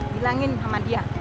bilangin sama dia